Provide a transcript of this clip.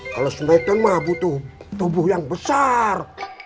kalau smakedown mah butuh tubuh yang besar